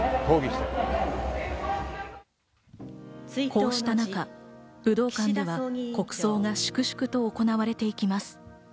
こうした中、武道館では国葬が粛々と行われていきます。